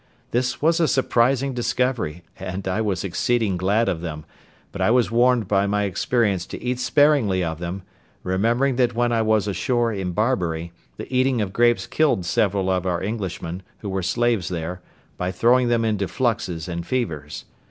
This was a surprising discovery, and I was exceeding glad of them; but I was warned by my experience to eat sparingly of them; remembering that when I was ashore in Barbary, the eating of grapes killed several of our Englishmen, who were slaves there, by throwing them into fluxes and fevers.